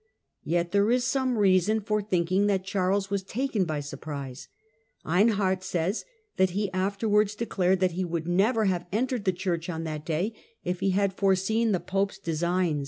Yet there is some reason for thinking that Charles was taken by surprise. Einhard says that he afterwards de clared that he would never have entered the church on that day if he had foreseen the Pope's design.